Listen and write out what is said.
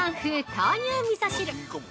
豆乳みそ汁。